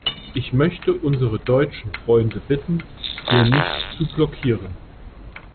Ich möchte unsere deutschen Freunde bitten, hier nicht zu blockieren.